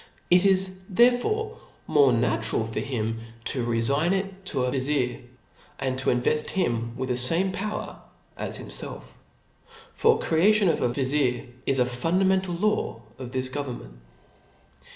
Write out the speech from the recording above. It is therefore more natural for htm to refign it to a vizir *, and to invert him with the fame power as himfelf. The creation of a vizir is a fundamental law of this government.